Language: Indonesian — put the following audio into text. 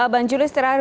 bang julius terakhir